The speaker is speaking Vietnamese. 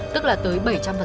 tức là tới bảy trăm linh